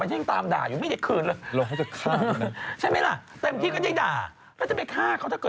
คุณเรามีอะไรกันก็ด่ากันดี